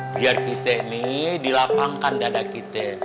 biar kita nih dilapangkan dada kita